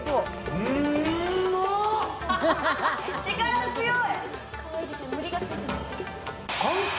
力強い！